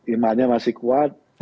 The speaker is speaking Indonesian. imannya masih kuat